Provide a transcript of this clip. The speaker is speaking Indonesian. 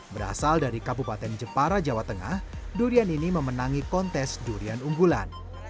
berasal dari kabupaten jepara jawa tengah durian ini memenangi kontes durian unggulan